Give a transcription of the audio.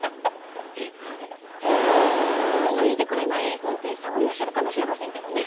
こんなんしてくれない運転手さんもいらっしゃるかもしれませんけどね。